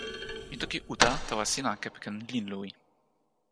mi toki uta tawa sina kepeken linluwi.